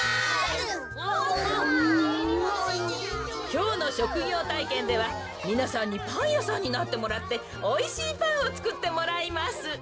きょうのしょくぎょうたいけんではみなさんにパンやさんになってもらっておいしいパンをつくってもらいます。